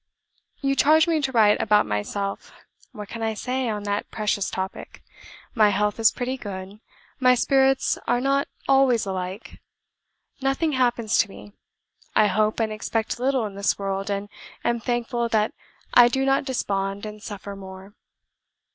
"You charge me to write about myself. What can I say on that precious topic? My health is pretty good. My spirits are not always alike. Nothing happens to me. I hope and expect little in this world, and am thankful that I do not despond and suffer more.